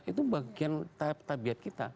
itu bagian tabiat kita